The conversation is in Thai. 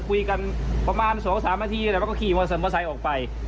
คุยกันประมาณสองสามนาทีแล้วก็ขี่สมภาษาออกไป